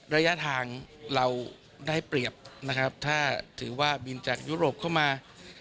ระยะทางเราได้เปรียบถือว่าบินจากยุโรปเข้ามา